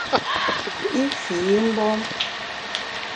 I fii mgbom.